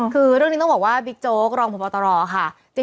คือเรื่องนี้ต้องบอกว่าบิ๊กโจ๊กรองพบตรค่ะ